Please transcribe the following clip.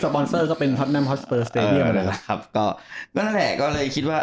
สปอนเซอร์ก็เป็นฮอตแนมฮอตสเปอร์เออครับก็นั่นแหละก็เลยคิดว่า